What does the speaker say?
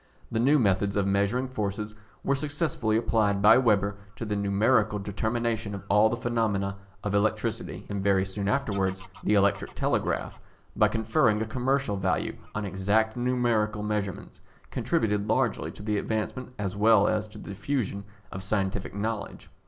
The new methods of measuring forces were successfully applied by Weber to the numerical determination of all the phenomena of electricity, and very soon afterwards the electric telegraph, by conferring a commercial value on exact numerical measurements, contributed largely to the advancement, as well as to the diffusion of scientific knowledge.